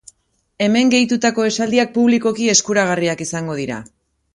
Hemen gehitutako esaldiak publikoki eskuragarriak izango dira.